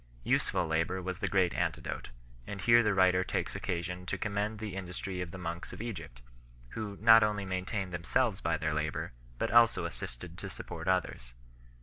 Useful labour was the great antidote ; and here the writer takes occasion to commend the industry of the monks of Egypt, who not only maintained themselves by their labour, but also assisted to support others 8